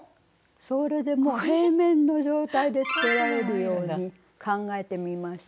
それでもう平面の状態でつけられるように考えてみました。